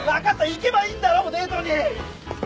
行けばいいんだろデートに！